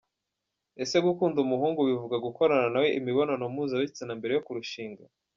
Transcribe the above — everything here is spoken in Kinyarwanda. Ese gukunda umuhungu bivuga gukorana na we imibonano mpuzabitsina mbere yo kurushinga